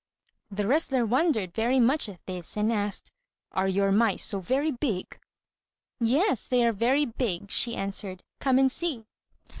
The wrestler wondered very much at this, and asked, "Are your mice so very big?" "Yes, they are very big," she answered; "come and see."